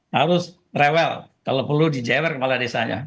harus rewel kalau perlu dijewer kepala desanya